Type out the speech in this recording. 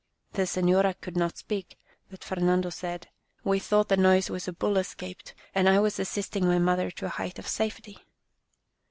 The senora could not speak, but Fernando said, " We thought the noise was a bull es caped, and I was assisting my mother to a height of safety."